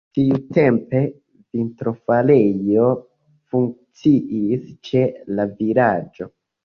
Tiutempe vitrofarejo funkciis ĉe la vilaĝo.